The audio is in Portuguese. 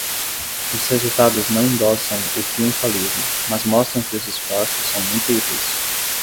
Os resultados não endossam o triunfalismo, mas mostram que os esforços são muito úteis.